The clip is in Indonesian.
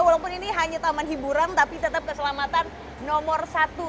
walaupun ini hanya taman hiburan tapi tetap keselamatan nomor satu